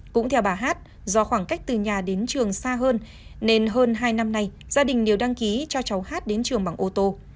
cũng theo bà hát do khoảng cách từ nhà đến trường xa hơn nên hơn hai năm nay gia đình đều đăng ký cho cháu hát đến trường bằng ô tô